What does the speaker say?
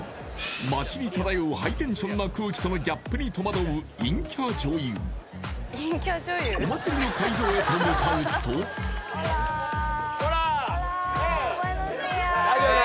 街に漂うハイテンションな空気とのギャップに戸惑う陰キャ女優お祭りの会場へと向かうとオラオラサヨナラ？